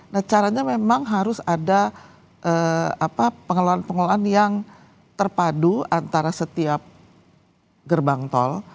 nah caranya memang harus ada pengelolaan pengelolaan yang terpadu antara setiap gerbang tol